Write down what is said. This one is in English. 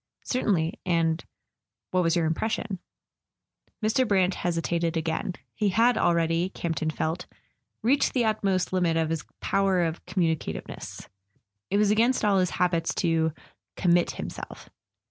"Certainly. And—what was your impression?" Mr. Brant hesitated again. He had already, Camp ton felt, reached the utmost limit of his power of com¬ municativeness. It was against all his habits to "com¬ mit himself."